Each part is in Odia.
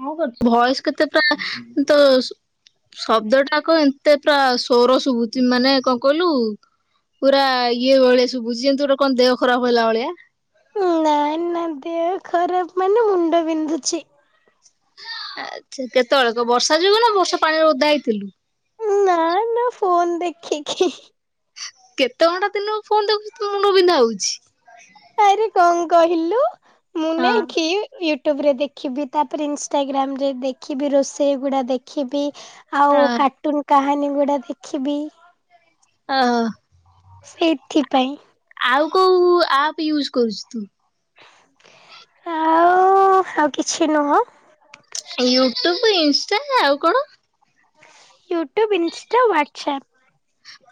[unintelligible] ଭଏସ କେତେଟା ତ ସ ଶବ୍ଦ ଟା କ ଏତେ ପୁରା ସୋର ଶୁଭୁଛି ମାନେ କଣ କହିଲୁ ପୁରା ଇଏ ଭଳିଆ ଶୁଭୁଛି ଜେନ୍ତି ତୋର କଣ ଦେହ ଖରାପ ହେଲା ଭଳିଆ ନାଇଁ ନା ଦେହ ଖରାପ ମାନେ ମୁଣ୍ଡ ବିନ୍ଧୁଛି। ଆଚ୍ଛା କେତେବେଳେ କ ବର୍ଷା ଯୋଗୁ ନା ବର୍ଷା ପାଣିରେ ଓଦା ହେଇଥିଲୁ? ନା ନା ଫୋନ ଦେଖିକି। କେତେ ଘଣ୍ଟା ଦିନକୁ ଫୋନ ଦେଖୁଛୁ ତୋ ମୁଣ୍ଡ ବିନ୍ଧା ହଉଛି? ଆରେ କଣ କହିଲୁ ମୁଁ ହଁ ନେଇକି ୟୁ ୟୁଟୁବ ରେ ଦେଖିବି ତାପରେ ଇନଷ୍ଟାଗ୍ରାମ ରେ ଦେଖିବି ରୋଷେଇ ଗୁଡା ଦେଖିବି ଆଉ ହଁ କାର୍ଟୁନ କାହାନୀ ଗୁଡା ଦେଖିବି ଅ ହ! ସେଇଥିପାଇଁ। ଆଉ କୋଉ ଆପ୍ ୟୁଜ୍ କରୁଛୁ ତୁ? ଆଉ ଆଉ କିଛି ନୁହଁ। ୟୁଟ୍ୟୁବ ଇନଷ୍ଟା ଆଉ କଣ? YouTube insta WhatsApp.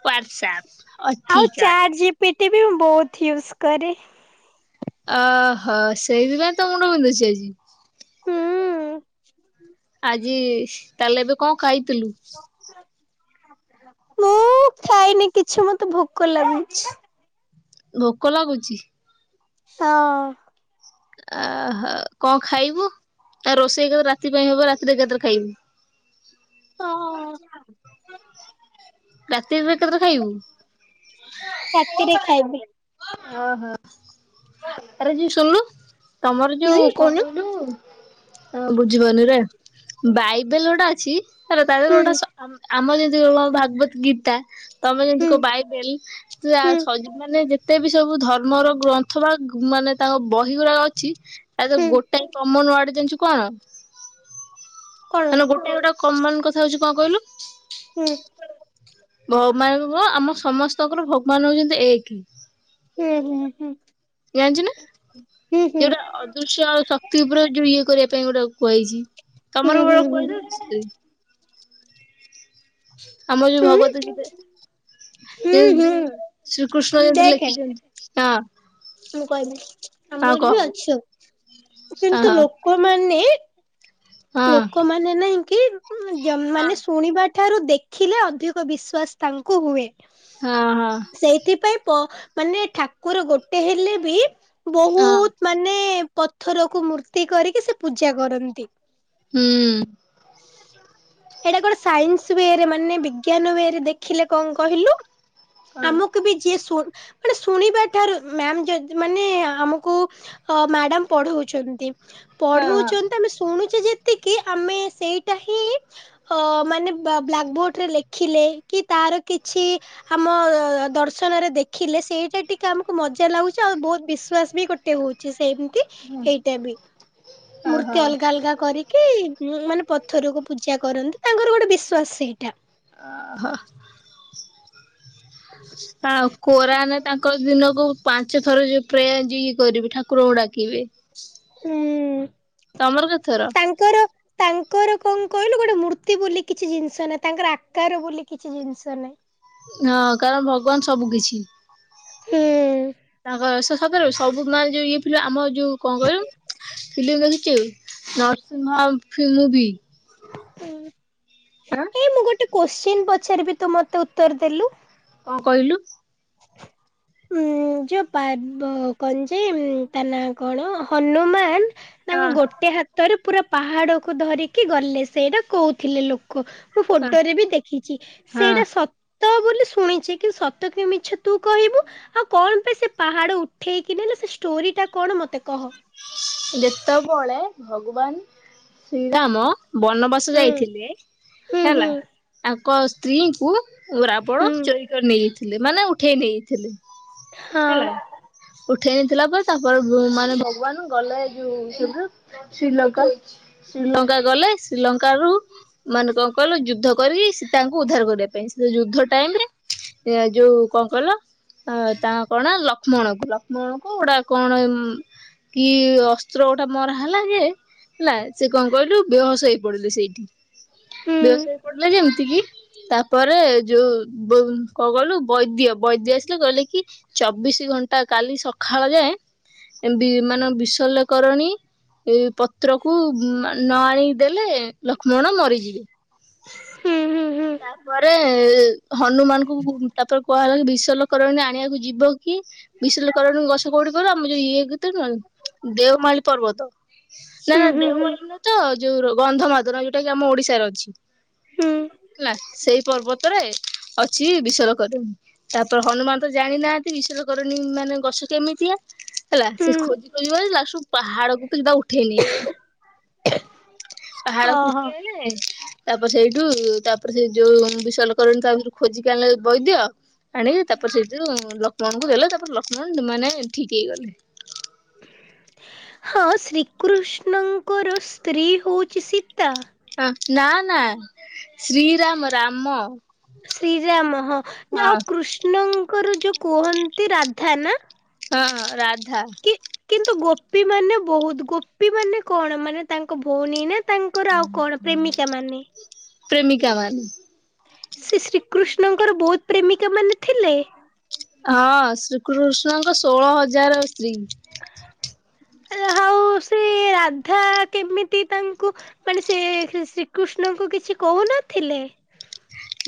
ୱାଟ୍ସଆପ୍। ଆଉ ଚାଟ ଜି ପି ଟି ବି ମୁଁ ବହୁତ ୟୁଜ କରେ। ଅ ହ ସେଇଥିପାଇଁ ତୋ ମୁଣ୍ଡ ବିନ୍ଧୁଛି ଆଜି? ହୁଁ। ଆଜି ତାହେଲେ ଏବେ କଣ ଖାଇଥିଲୁ? ମୁଁ ଖାଇନି କିଛି ମତେ ଭୋକ ଲାଗୁଚି। ଭୋକ ଲାଗୁଛି? ହଁ। ଆହୋ, କ ଖାଇବୁ? ନା ରୋଷେଇ ଏକାଥ ରାତି ପାଇଁ ହବ, ରାତିରେ ଏକାଥରେ ଖାଇବୁ। ତଅ। ରାତିରେ ଏକାଥରେ ଖାଇବୁ? ରାତିରେ ଖାଇବି। ଓହୋ, ଆର ଜି ଶୁଣୁନୁ। ତମର ଯୁ ହୁଁ କ କହୁନୁ କହିଲୁ? ହଁ ବୁଝିପାରୁନିରେ ବାଇବେଲ ଗୋଟେ ଅଛି ହେଲା ତା ଦେହରେ ହୁଁ ଗୋଟେ ସ ଆମର ଯେମିତି କ ଭାଗବତ ଗୀତା ତମେ ଯେମିତି ହୁଁ କ ବାଇବେଲ ହୁଁ ସ ମାନେ ଯେ ତେବି ସବୁ ଧର୍ମର ଗ୍ରନ୍ଥ ବା ମାନେ ତାଙ୍କ ବହି ଗୁଡା ଅଛି ଆରେ ହୁଁ ଗୋଟାଏ କମନ ୱାର୍ଡ ଜିନିଛୁ କଣ? କଣ ମାନେ, ଗୋଟେ ଗୋଟେ କମନ କଥା ହଉଛି କଣ କହିଲୁ? ହୁଁ। ଭବାନ ଙ୍କ ଆମ ସମସ୍ତଙ୍କର ଭଗବାନ ହଉଛନ୍ତି ଏକ। ହୁଁ ହୁଁ ହୁଁ ହୁଁ ହୁଁ। ଦୃଶ୍ୟ ଶକ୍ତି ଉପରେ ଯୋଉ ଇଏ କରିବା ପାଇଁ ଗୋଟେ କୁହାଯାଇଛି ହୁଁ ତମର ହୁଁ ବେଳ ହୁଁ କୁହାଯାଉଛି? ଆମର ଯୋଉ ହୁଁ ଭଗବତ ହୁଁ ଗୀତା। ହୁଁ ଯେଁତି, ହୁଁ ଶ୍ରୀକୃଷ୍ଣ ଯେମିତି ଦେଖେ ଲେଖିଛନ୍ତି। ହଁ ମୁଁ କହିବି ହଁ ଆମର କହ ବି ଅଛି ସବୁ ହଁ କିନ୍ତୁ ହଁ ଲୋକମାନେ ହଁ ଲୋକମାନେ ନାହିଁ କି ଯ ହଁ ମାନେ ଶୁଣିବା ଠାରୁ ଦେଖିଲେ ଅଧିକ ବିଶ୍ୱାସ ତାଙ୍କୁ ହୁଏ। ହଁ ହଁ। ସେଇଥିପାଇଁ ପ ମାନେ ଠାକୁର ଗୋଟେ ହେଲେ ବି ହଁ ବହୁତ ମାନେ, ପଥରକୁୁ ମୂର୍ତ୍ତି କରିକି ସେ ପୂଜା କରନ୍ତି। ହୁଁ। ହେଟା କଣ ସାଇନ୍ସ ୱରେ ମାନେ ବିଜ୍ଞାନ ୱେରେ ଦେଖିଲେ କଣ କହିଲୁ? ହଁ ଆମକୁ ବି ଯିଏ ଶୁଣ ମାନେ ଶୁଣିବା ଠାରୁ ମ୍ୟାମ ଯଯ ମାନେ ଆମକୁ ଅ ମ୍ୟାଡାମ ପଢଉଛନ୍ତି ‌। ପଢଉଛନ୍ତି ଆମେ ଶୁଣୁଛେ ଯେତିକି ଆମେ ସେଇଟା ହିଁ ଅ ମାନେ ବା ବ୍ଲାକ୍ ବୋର୍ଡ ରେ ଲେଖିଲେ କି ତାର କିଛି ଆମ ଦର୍ଶନରେ ଦେଖିଲେ ସେଇଟା ଟିକେ ଆମକୁ ମଜା ଲାଗୁଛି ଆଉ ବହୁତ ବିଶ୍ଵାସ ବି ଗୋଟେ ହଉ ଛି ସେମତି ଏଇଟା ବି ହଁ ମୂର୍ତ୍ତି ଅଲଗ ହଁ ଅଲଗା କରିକି ମାନେ, ପଥରକୁ ପୂଜା କରନ୍ତି, ତାଙ୍କର ଗୋଟେ ବିଶ୍ୱାସ ସେଇଟା। ଆ। ଆଉ କୋରା ନା ତାଙ୍କ କ ଦିନକୁ ପାଞ୍ଚ ଥର ଯୋଉ ପ୍ରେ ଯିଇଏ କରିବେ ଠାକୁରଙ୍କୁ ଡାକିବେ। ହୁଁ। ତମର କେଥର? ତାଙ୍କର ତାଙ୍କର କଣ କହିଲୁ ଗୋଟେ ମୂର୍ତ୍ତି ବୋଲି କିଛି ଜିନିଷ ନାହିଁ। ତାଙ୍କର ଆକାର ବୋଲି କିଛି ଜିନିଷ ନାହିଁ। ହଁ କାରଣ ଭଗବାନ ସବୁ କିଛି ହୁଁ। ତାଙ୍କର ସ ସତରେବେ ସବୁ ମାନେ ଯୋଉ ଇଏ ଆମ ଯୋଉ କଣ କହିଲୁ ଫିଲିମ୍ ଦେଖିଚୁ ନର୍ଶିମ୍ଭା ଫିଲ୍ ମୁଭି। ଉଁ। ଆଁ ଏଇ ମୁଁ ଗୋଟେ କୋଶ୍ଚିନ୍ ପଚାରିବି ତୁ ମତେ ଉତ୍ତର ଦେଲୁ। କଣ କହିଲୁ? [inaudible] ଉଁ ଯୋଉ ପାର୍ବ କ କଣ ଯେ ତା ନାଁ କଣ ହନୁମାନ୍ ତାଙ୍କ ହଁ ଗୋଟେ ହାତରେ ପୁରା ପାହାଡକୁୁ ଧରିକି ଗଲେ। ସେଇଟା କହୁଥିଲେ ଲୋକ। ମୁଁ ହଁ ଫୋଟୋରେ ବି ଦେଖିଚି। ହଁ ସେଇଟା ସତ ବୋଲି ଶୁଣିଚି। କିନ୍ତୁ ସତ କି ମି ଛ ତୁ କହିବୁ, ଆଉ କଣ ପାଇଁ ସେ ପାହାଡ ଉଠେଇକି ନେଲେ ସେ ଷ୍ଟୋରି ଟା କଣ ମତେ କହ। ଯେତେବେଳେ ଭଗବାନ ଶ୍ରୀରାମ ବନବାସ ହୁଁ ଯାଇଥିଲି ହୁଁ ହୁଁ ହେଲା, ତାଙ୍କ ସ୍ତ୍ରୀଙ୍କୁ ରାବଣ ଚୋରି କରି ନେଇଯାଇଥିଲେ, ମାନେ ଉଠେଇ ନେଇଯାଇଥିଲେ। ହଁ ହେଲା। ଉଠେଇନେଇଥିଲା ପରେ ତାପରେ ମାନେ ଭଗବାନ ଗଲେ ଯୋଉ। [unintelligible] ଶ୍ରୀଲଙ୍କା, ଶ୍ରୀଲଙ୍କା ଗଲେ ଶ୍ରୀଲଙ୍କା ରୁ ମାନେ କଣ କହିଲ ଯୁଦ୍ଧ କରିକି ସୀତା ଙ୍କୁ ଉଦ୍ଧାର କରିବା ପାଇଁ। ସେ ଯୁଦ୍ଧ ଟାଇମ୍ ରେ ଏ ଯୋଉ କଣ କହିଲ ଆ ତା କଣ ଲକ୍ଷ୍ମଣ କୁ ଲକ୍ଷ୍ମଣ କୁ ଗୋଟା କଣ କି ଅସ୍ତ୍ର ଗୋଟା ମର ହେଲା ଯେ ହେଲା, ସେ କଣ କହିଲୁ ବେହୋସ ହେଇ ପଡିଲେ ସେଇଠି। ହୁଁ ବେହୋସ ହେଇ ପଡିଲେ ଯେମିତି କି ତାପରେ ଯୋଉ କଣ କହିଲୁ ବୈଦ୍ୟ ବୈଦ୍ୟ ଆସିଲେ କହିଲେ କି ଚବିଶି ଘଣ୍ଟା କାଲି ସକାଳ ଯାଏ ବି ମାନେ ବିଷଲ୍ୟକରଣୀ ଏ ପତ୍ରକୁ ନ ଆଣିକି ଦେଲେ ଲକ୍ଷ୍ମଣ ମରିଯିବେ। ହୁଁ ହୁଁ। ତାପରେ ହନୁମାନ ଙ୍କୁ ତାପରେ କୁହାହେଲା କି ବିଶଲ୍ୟକରଣୀ ଆଣିବାକୁ ଯିବ କିଏ? ବିଶଲ୍ୟକରଣୀ ଗଛ କୋଉଠି କହିଲ ଆମ ଯୋଉ ଇଏ ଦେଓମାଳି ପର୍ବତ, ନା ହୁଁ ନା ହୁଁ ହୁଁ ଦେଓମାଳି ନୁହେଁ ତ ଯୋଉ ଗନ୍ଧମାର୍ଦ୍ଧନ ଯୋଉଟା କି ଆମ ଓଡିଶାର ଅଛି। ହୁଁ। ହେଲା। ସେଇ ପର୍ବତରେ ଅଛି ବିଶଲ୍ୟକରଣୀ। ତାପରେ ହନୁମାନ ତ ଜାଣି ନାହାନ୍ତି ବିଶଲ୍ୟକରଣୀ ମାନେ ଗଛ କେମିତିଆ। ହେଲା। ସେ ହୁଁ। ଖୋଜି ଖୋଜିି ଲାଷ୍ଟ କୁ ପାହାଡକୁ ସିଧା ଉଠେଇ ନେଇ ଆଇଲେ। ହଁ ପାହାଡ କୁ ହଁ। ଉଠି ଆଇଲେ ତାପରେ ସେଇଠୁ ତା ତାପରେ ସେ ଯୋଉ ବିଶଲ୍ୟକରଣୀ ତା ଭିତରୁ ଖୋଜିକି ଆଣିଲେ ବୈଦ୍ୟ। ଆଣିକି ତାପରେ ସେଥିରୁ ଲକ୍ଷ୍ମଣଙ୍କୁ ଦେଲେ, ତାପରେ ଲକ୍ଷ୍ମଣ ମାନେ ଠିକ୍ ହେଇଗଲେ। ହଁ ଶ୍ରୀକୃଷ୍ଣଙ୍କର ସ୍ତ୍ରୀ ହଉଚି ସୀତା। ଅ ନା ନା ଶ୍ରୀରାମ ରାମ। ଶ୍ରୀରାମ ହଁ। ଯେ ହଁ ଆଉ କୃଷ୍ଣଙ୍କର ଯୋଉ କୁହନ୍ତି ରାଧା ନା। ହଁ ରାଧା। କି କିନ୍ତୁ ଗୋପୀ ମାନେ ବହୁତ୍ ଗୋପୀ ମାନେ କଣ ମାନେ ତାଙ୍କ ଭଉଣୀ ନା ତା ଙ୍କର ଆଉ କଣ ପ୍ରେମିକା ମାନେ। ପ୍ରେମିକାମାନେ। ସେ ଶ୍ରୀକୃଷ୍ଣଙ୍କର ବହୁତ ପ୍ରେମିକା ମାନେ ଥିଲେ? ହଁ ଶ୍ରୀକୃଷ୍ଣଙ୍କ ଷୋହଳ ହଜାର ସ୍ତ୍ରୀ। ଆଉ ସେ ରାଧା କେମିତି ତାଙ୍କୁ ମାନେ ସେ ଶ୍ରୀକୃଷ୍ଣଙ୍କୁ କିଛି କହୁନଥିଲେ।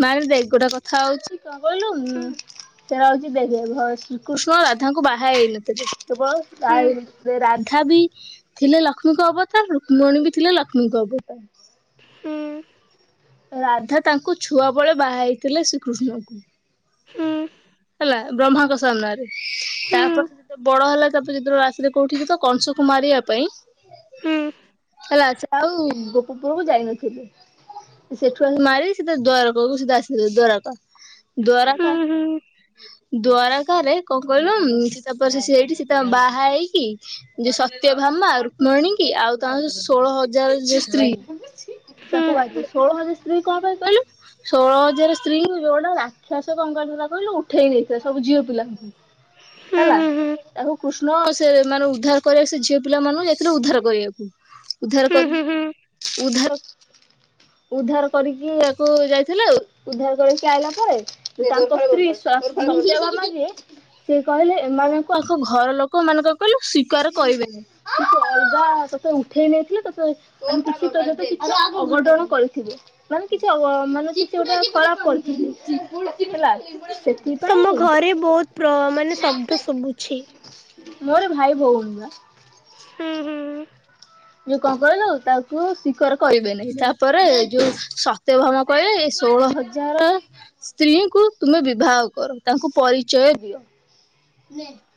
ମାର ଦେ ଏ ଗୋଟା କଥା ହଉଛି କଣ କହିଲୁ ହୁଁ। ସେଟ ହଉଛି ଦେଖ ଘ ଶ୍ରୀକୃଷ୍ଣ ରାଧାଙ୍କୁ ବାହା ହେଇନଥିଲେ ତ କଣ ତମ ତାରେ ରାଧା ବି ଥିଲେ ଲକ୍ଷ୍ମୀଙ୍କ ଅବତାର ରୁକ୍ମଣୀ ବି ଥିଲେ ଲକ୍ଷ୍ମୀଙ୍କ ଅବତାର ହୁଁ। ରାଧା ତାଙ୍କୁ ଛୁଆ ବେଳେ ବାହାଇଥିଲେ ଶ୍ରୀକୃଷ୍ଣଙ୍କୁ ହୁଁ। ହେଲା ବ୍ରହ୍ମାଙ୍କ ସାମ୍ନ ରେ ତାପରେ ଯେତେ ବଡ ହେଲା ପଚିତ୍ର ରାସରେ କୋଉଠି ତ କଂସ କୁମାରିବା ପାଇଁ ହେଲା ଆଛା ଆଉ ଉପ ଉପରକୁ ଯାଇନଥିଲେ ସେଠୁ ଆ ମାରି ସେ ଦ୍ୱାରକାକୁ ସୋ ଆସିଥିଲେ ଦବାରକ। ଦବାରା କ ହୁଁ। ଦ୍ୱାରକାରେ କଣ କହିଲୁ ସୀ ତପସି ସେଇଠି ସୀତା ବାହା ହେଇକି ଯୋ ସତ୍ୟଭାମା ରୁକ୍ମଣୀ କି ଆଉ ତାଙ୍କ ଷୋହଳ ହଜାର ଯଉ ସ୍ତ୍ରୀ। ତାଙ୍କୁ ବାହାହେଇଥିଲେ ଷୋହଳ ହଜାର ସ୍ତ୍ରୀ କଣ ପାଇଁ କହିଲୁ। ଷୋଳ ହଜାର ସ୍ତ୍ରୀଙ୍କୁ ଯୋ ଗୋଟେ ରାକ୍ଷାସ କ ହେଲା କହିଲୁ ଉଠେଇ ନେଇଥିଲା ସବୁ ଝିଅ ପିଲାଙ୍କୁ। ହେଲା ତାକୁ କୃଷ୍ଣ ସେ ମାନେ ଉଦ୍ଧାର କରିବାକୁ, ସେ ଝିଅ ପିଲାମାନଙ୍କୁ ଯାଇଥିଲେ ଉଦ୍ଧାର କରିବାକୁ। ଉଦ୍ଧାର କରିବି ଉଦ୍ଧାର ଉଦ୍ଧାର କରିକି ଆକୁ ଯାଇଥିଲେ ଆଉ ଉଦ୍ଧାର କରି ଆଇଲା ପରେ ତାଙ୍କ ସ୍ତ୍ରୀ ସତ୍ୟଭାମା ଯିଏ ସେ କହିଲେ ଏମାନଙ୍କୁ ଆଙ୍କ ଘର ଲୋକ ମାନେ କଣ କହିଲୁ ସ୍ଵିକାର କହିବେନି। ସେ ଅଲଗା ତତେ ଉଠେଇ ନେଇଥିଲେ ତତେ ଏମିତି ଯେହେତୁ ତ ଅଘଟଣ କରିଥିବେ। ମାନେ କିଛି ଅ ମାନେ ଗୋଟେ ଖରାପ କରିଥିବେ। ତମ ସେଥିପାଇଁ ଘରେ ବହୁତ ପ୍ର ମାନେ ଶବ୍ଦ ଶୁଭୁଛି। ମୋର ଭାଇ ଭଉଣୀ ବା। ଯୋଉ କଣ କହିଲୁ ତାକୁ ସ୍ୱୀକାର କରିବେ ନାହିଁ। ତାପରେ ଯୋଉ ସତ୍ୟ ଭାମା କହିଲେ ଷୋଳ ହଜାର ସ୍ତ୍ରୀଙ୍କୁ ତୁମେ ବିବାହ କର ତାଙ୍କୁ ପରିଚୟ ଦିଅ। [unintelligible]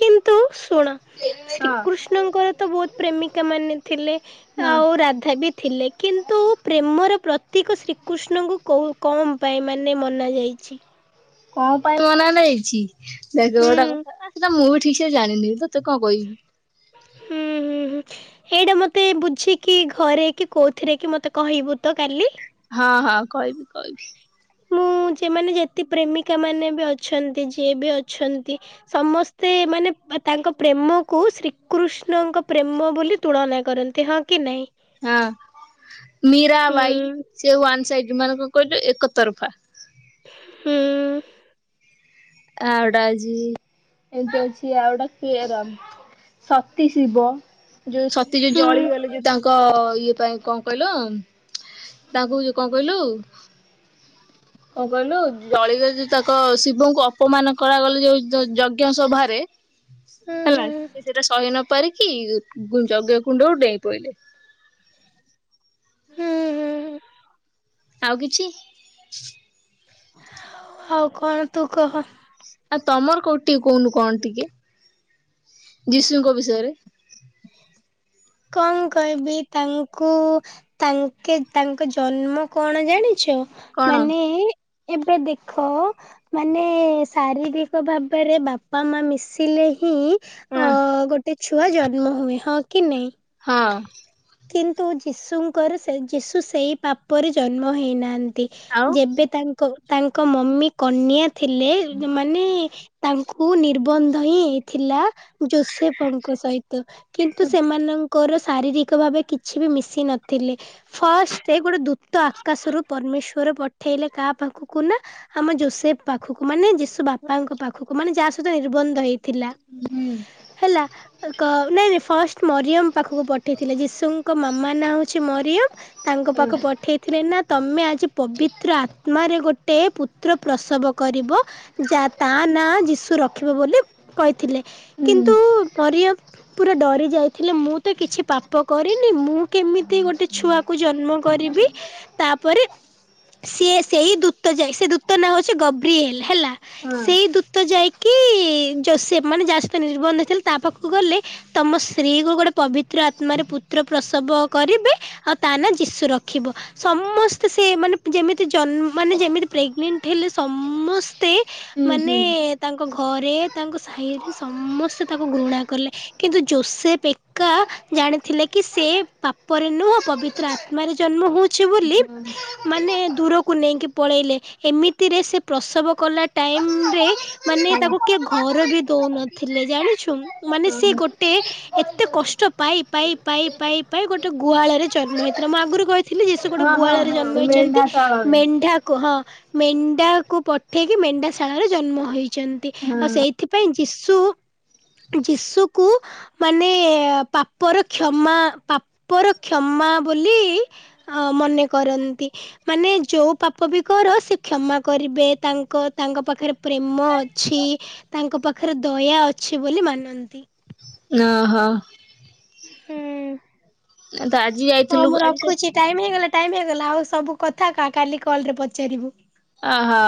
କିନ୍ତୁ ଶୁଣ। ହଁ। ଶ୍ରୀକୃଷ୍ଣଙ୍କର ତ ବହୁତ ପ୍ରେମିକା ମାନେ ଥିଲେ ଆଉ ରାଧା ବି ଥିଲେ, କିନ୍ତୁ ପ୍ରେମର ପ୍ରତୀକ ଶ୍ରୀକୃଷ୍ଣଙ୍କୁ କୋଉ କମ୍ ପାଇଁ ମାନେ ମନା ଯାଇଛି। କଣ ପାଇଁ ମନା ନେଇଛି। ଦେଖ ଗୋଟେ କଥା ସେଟା ମୁଁ ବି ଠିକ ସେ ଜାଣିନି ତତେ କଣ କହିବି। ହୁଁ ହୁଁ। ଉଁ ହୁଁ ଏଇଟା ମତେ ବୁଝିକି ଘରେ କି କୋଉଥିରେ କି ମତେ କହିବୁ ତ କାଲି। ହଁ ହଁ କହିବିି କହିବିି। ମୁଁ ଯେ ମାନେ ଯେତେ ପ୍ରେମିକା ମାନେ ବି ଅଛନ୍ତି ଯିଏ ବି ଅଛନ୍ତି। ସମସ୍ତେ ମାନେ ତାଙ୍କ ପ୍ରେମକୁ ଶ୍ରୀକୃଷ୍ଣଙ୍କ ପ୍ରେମ ବୋଲି ତୁଳନା କରନ୍ତି ହଁ କି ନାଇଁ। ହଁ ମୀରା ବାଇ ହୁଁ ସେ ୱାନ ସାଇଡ ମାନ କହିଲୁ ଏକ ତରଫା। ହୁଁ। ଆଉଡା ଆଜି ଏମତି ଅଛି ଆଉଡା କିଏରମ୍। ସତୀ ଶିବ, ଯୋଉ ସତୀ ଯୋଉ ହୁଁ ଜଳିଗଲେ ଯୋଉ ତାଙ୍କ ଙ୍କ ଇଏ ପାଇଁ କଣ କହିଲ ତାଙ୍କୁ ଇଏ କଣ କହିଲୁ। କଣ କହିଲୁ ଜଳିଗଲେ ଯଉ ତାଙ୍କ ଶିବଙ୍କୁ ଅ ଅପମାନ କରାଗଲେ ଯୋ ଯୋଉ ଯଜ୍ଞ ସଭାରେ ହୁଁ ହୁଁ ହେଲା। ସେଟା ସହି ନ ପାରିକି ଉ ଯଜ୍ଞ କୁଣ୍ଡକୁ ଡେଇଁ ପଇଲେ। ହୁଁ ହୁଁ। ଆଉ କିଛି? ଆଉ କଣ ତୁ କହ। ଆ ତମର କୋଉ ଟିକେ କହୁନୁ କଣ ଟିକେ ଯୀଶୁଙ୍କ ବିଷୟରେ? କଣ କହିବି ତାଙ୍କୁ ତାଙ୍କେ ତାଙ୍କ ଜନ୍ମ କଣ ଜାଣିଛ କଣ ମାନେ ଏବେ ଦେଖ। ମାନେ ଶାରୀରିକ ଭାବରେ ବାପା ମା ମିଶିଲେ ହିଁ ଅ ହଁ ଗୋଟେ ଛୁଆ ଜନ୍ମ ହୁଏ ହଁ କି ନାଇଁ। ହଁ। କିନ୍ତୁ ଯୀଶୁଙ୍କର ସେ ଯୀଶୁ ସେଇ ପାପରେ ଜନ୍ମ ହେଇନାହାଁନ୍ତି। ଆଉ ଯେବେ ତାଙ୍କ ତାଙ୍କ ମମି କନ୍ୟା ଥିଲେ ମାନେ ତାଙ୍କୁ ନିର୍ବନ୍ଧ ହିଁ ହେଇଥିଲା। ଜୋସେଫଙ୍କ ସହିତ କିନ୍ତୁ ସେମାନଙ୍କର ଶାରୀରିକ ଭାବେ କିଛି ବି ମିଶି ନଥିଲେ ଫଷ୍ଟ ଗୋଟେ ଦୂତ ଆକାଶରୁ ପରମେଶ୍ଵର ପଠେଇଲେ କାହା ପାଖକୁ ନା ଆମ ଜୋସେଫ ପାଖକୁ ମାନେ ଜିଶୁ ବାପାଙ୍କ ପାଖକୁ ମାନେ ଯାହା ସହିତ ନିର୍ବନ୍ଧ ହେଇ ଥିଲା ହୁଁ ହେଲା କହ ନାଇଁ ନାଇଁ ଫାର୍ଷ୍ଟ ମରିୟମ ପାଖକୁ ପ ପଠେଇଥିଲେ ଯିଶୁଙ୍କ ମାମା ନାଁ ହଉଛି ମରିୟମ ତାଙ୍କ ପାଖ ହୁଁ ପଠେଇ ପ୍ରେନା ନା ତମେ ଆଜି ପବିତ୍ର ଆତ୍ମାରେ ଗୋଟେ ପୁତ୍ର ପ୍ରସବ କରିବ। ଯା ତା ନା ଯିଶୁ ରଖିବ ବୋଲି କହିଥିଲେ କିନ୍ତୁ ପରିୟମ ପୁରା ଡରି ଯାଇଥିଲେ ମୁଁ ତ କିଛି ପାପ କରିନି ମୁଁ କେମିତି ଗୋଟେ ଛୁଆକୁ ଜନ୍ମ କରିବି ତାପରେ ସିଏ ସେଇ ଦୂତ ଯାଇ ସେ ଦୂତ ନାଁ ହଉଛି ଗବ୍ରିଏଲ ହେଲା ହଁ ସେଇ ଦୂତ ଯାଇ କି ଜୋସେଫ ମାନେ ଯା ସହିତ ନିର୍ବନ୍ଧ ହେଇଥିଲେ ତା ପାଖକୁ ଗଲେ ତମ ସ୍ତ୍ରୀ କୁ ଗୋଟେ ପବି ପୁତ୍ର ଆତ୍ମାରେ ପୁତ୍ର ପ୍ରସବ କରିବେ ଆଉ ତା ନା ଯିଶୁ ରଖିବୁ ସମସ୍ତେ ସେ ମାନେ ଯେମିତି ଜ ମାନେ ଯେମିତି ପ୍ରେଗନେଣ୍ଟ ହେଲେ ସମ ମତେ ମାନେ ହୁଁ ତାଙ୍କ ଘରେ ତାଙ୍କ ସାହିରେ ସମସ୍ତେ ତାଙ୍କୁ ଘୃଣା କଲେ। କିନ୍ତୁ ଜୋସେଫ୍ ଏକା ଜାଣିଥିଲେ କି ସେ ପାପରେ ନୁହଁ ପବିତ୍ର ଆତ୍ମାରେ ଜନ୍ମ ହଉ ଛି ବୋଲି ହୁଁ ମାନେ ଦରକୁ ନେଇି ପଳେଇଲେ ଏମିତିରେ ସେ ପ୍ରସବ କଲା ଟାଇମରେ ମାନେ ତାକୁ କିଏ ଘର ବି ଦଉନଥିଲେ ଜାଣିଛୁ ମାନେ ସେ ଓହୋ। ଗୋଟେ ଏତେ କଷ୍ଟ ପାଇ ପାଇ ପାଇ ପାଇ ଗୋଟେ ଗୁହାଳରେ ଜନ୍ମ ହେଇଥିଲା ମୁଁ ଆଗରୁ କହିି ଥିଲି ଯେ ସେ ଗୋଟେ ହଁ ହଁ ଗୁଆଳରେ ଜନ୍ମ ହଁ ହେଇଛନ୍ତି ମେଣ୍ଢା ଶାଳରେ। ମେଣ୍ଢା ହଁ ମେଣ୍ଢା କୁ ପଠେଇକି ମେଣ୍ଢା ଶାଳାରେ ଜନ୍ମ ହେଇଛନ୍ତି ଆଉ ହଁ ସେଇ ସେଥିପାଇଁ ଯୀଶୁ ଯିଶୁକୁ ମାନେ ପାପ ପାପର କ୍ଷମା ପାପର କ୍ଷମା ବୋଲି ମନେ କରନ୍ତି ମାନେ ଯୋଉ ପାପ ବି କର ସେ କ୍ଷମା କରିବେ ତାଙ୍କ ତାଙ୍କ ପାଖରେ ପ୍ରେମ ଅଛି ତାଙ୍କ ପାଖରେ ଦୟା ଅଛି ବୋଲି ମାନନ୍ତି। ନା ହୋ। ହୁଁ ତ ଆଜି ହଉ ଯାଇଥିଲୁ ମୁଁ ଆଜି ରଖୁଛି। ଟାଇମ୍ ହେଇଗଲା ଟାଇମ୍ ହେଇଗଲା ଆଉ ସବୁ କଥା କା କାଲି କଲରେ ପଚାରିବୁ। ଆ ହୋ।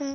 ହୁଁ।